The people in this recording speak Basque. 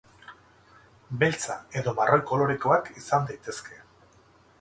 Beltza edo marroi kolorekoak izan daitezke.